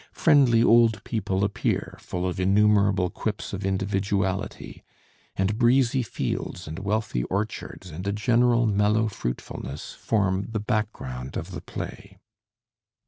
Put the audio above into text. Friendly old people appear, full of innumerable quips of individuality, and breezy fields and wealthy orchards and a general mellow fruitfulness form the background of the play.